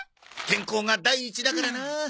健康が第一だからな。